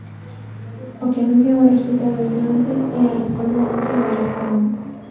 O que anuncian os resultados de onte é a reforma dentro da reforma.